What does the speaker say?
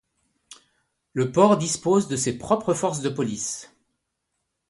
Le port dispose de ses propres forces de police.